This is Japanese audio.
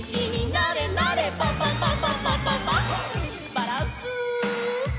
バランス。